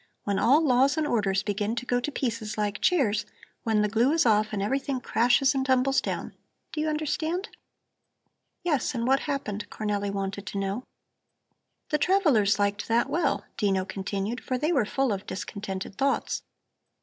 "When all laws and orders begin to go to pieces like chairs, when the glue is off and everything crashes and tumbles down; do you understand?" "Yes. And what happened?" Cornelli wanted to know. "The travellers liked that well," Dino continued, "for they were full of discontented thoughts.